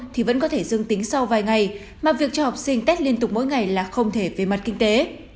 thì vẫn có thể dương tính sau vài ngày mà việc cho học sinh tết liên tục mỗi ngày là không thể về mặt kinh tế